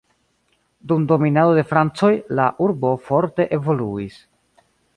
Dum dominado de francoj la urbo forte evoluis.